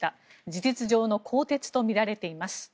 事実上の更迭とみられています。